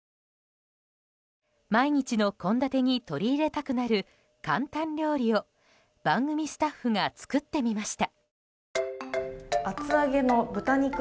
毎日の献立に取り入れたくなる簡単料理を番組スタッフが作ってみました。